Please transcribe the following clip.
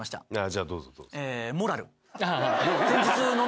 じゃあどうぞどうぞ。